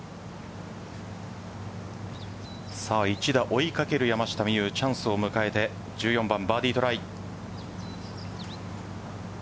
追いかける山下美夢有チャンスを迎えて１４番、バーディートライ。